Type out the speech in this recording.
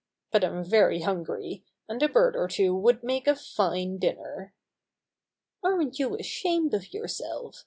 "But I'm very hungry, and a bird or two would make a fine dinner." "Aren't you ashamed of yourself!